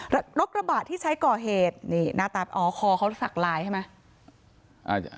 รถกระบะที่ใช้ก่อเหตุนี่หน้าตาอ๋อคอเขาสักลายใช่ไหม